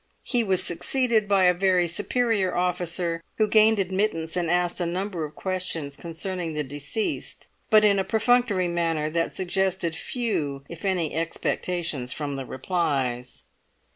He was succeeded by a very superior officer, who gained admittance and asked a number of questions concerning the deceased, but in a perfunctory manner that suggested few if any expectations from the replies.